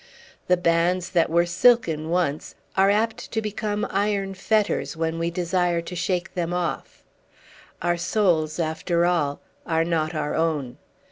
The bands that were silken once are apt to become iron fetters when we desire to shake them off. Our souls, after all, are not our own.